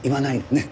ねっ？